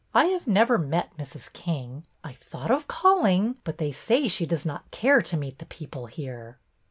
I have never met Mrs. King. I thought of calling, but they say she does not care to meet the people here.